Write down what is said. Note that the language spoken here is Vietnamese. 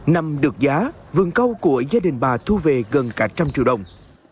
nằm được giá vườn cao của gia đình bà thu về gần cả trăm triệu đồng